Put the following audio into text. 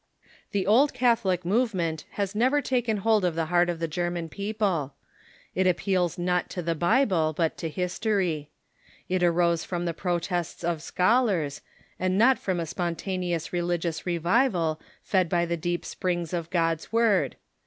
The Old Catholic movement has never taken hold of the heart of the German people. It appeals not to the Bible, but ^^ to history. It arose from the protests of scholars, and Growth J }. 1 r T 1 1 not from a spontaneous religious revival, fed by the deep springs of God's word.